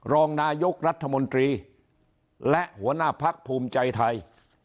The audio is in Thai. รองนายกรัฐมนตรีและหัวหน้าพักภูมิใจไทย